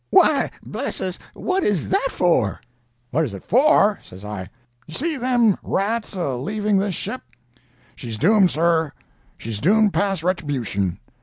Why, bless us, what is that for?' "'What is it for?' says I, 'do you see them rats a leaving this ship? She's doomed, sir! she's doomed past retribution!